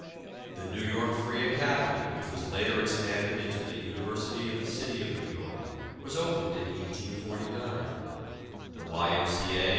The New York Free Academy, which was later expanded into the University of the City of New York, was opened in 1849 ; the Y. M. C. A.